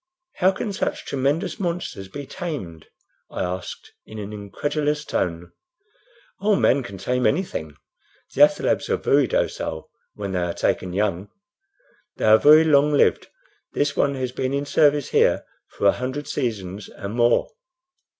"How can such tremendous monsters be tamed?" I asked, in an incredulous tone. "Oh, man can tame anything. The athalebs are very docile when they are taken young. They are very long lived. This one has been in service here for a hundred seasons and more."